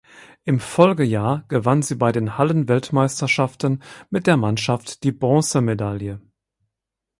Im Folgejahr gewann sie bei den Hallenweltmeisterschaften mit der Mannschaft die Bronzemedaille.